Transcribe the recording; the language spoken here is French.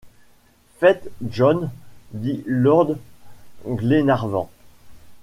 Faites, John, » dit lord Glenarvan.